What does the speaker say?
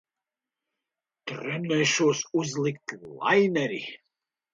Trenēšos uzlikt laineri.